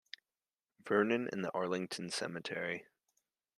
Vernon, and the Arlington Cemetery.